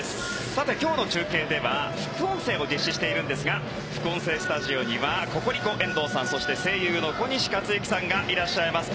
さて、今日の中継では副音声を実施しているんですが副音声スタジオにはココリコの遠藤さん声優の小西克幸さんがいらっしゃいます。